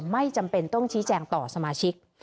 ไม่จำเป็นต้องชี้แจงต่อสมาชิก